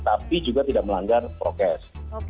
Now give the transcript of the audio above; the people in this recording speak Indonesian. tapi juga tidak melanggar prokes